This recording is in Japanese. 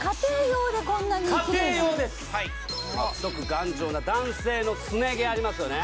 頑丈な男性のすね毛ありますよね・